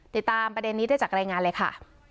ติดตามประเด็นนี้ได้จากรายงานเลยค่ะ